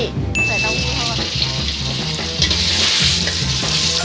ใส่เต้าหู้ทอด